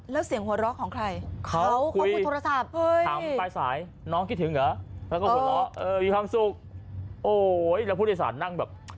แล้วเสียงหัวเราะของใครเขาคุยโทรศัพท์ถามปลายสายน้องคิดถึงเหรอแล้วก็หัวเราะเออมีความสุขโอ้ยแล้วผู้โดยสารนั่งแบบ